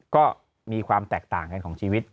ก็มีความแตกต่างกันของชีวิต